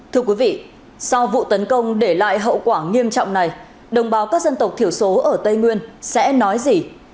thưa quý vị sau vụ tấn công để lại hậu quả nghiêm trọng này đồng bào các dân tộc thiểu số ở tây nguyên sẽ nói gì